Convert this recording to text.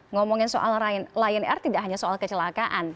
ngomongin soal lion air tidak hanya soal kecelakaan